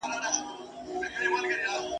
چي هامان ته خبر ورغى موسکی سو ..